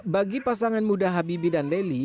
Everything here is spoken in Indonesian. bagi pasangan muda habibie dan lely